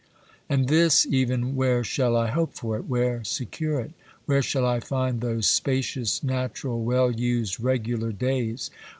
And this even, where shall I hope for it, where secure it ? Where shall I find those spacious, natural, well used, regular days